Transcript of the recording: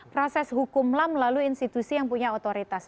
proses hukumlah melalui institusi yang punya otoritas